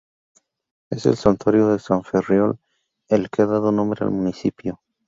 Es el Santuario de San Ferriol el que ha dado nombre al municipio.